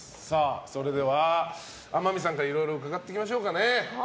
それでは、天海さんからいろいろ伺っていきましょうか。